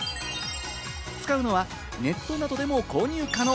使うのはネットなどでも購入可能。